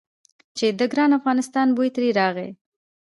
چې د ګران افغانستان بوی ترې راغی.